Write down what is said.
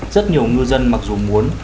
rất nhiều người dân mặc dù muốn